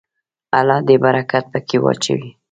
الله دې برکت پکې واچوي.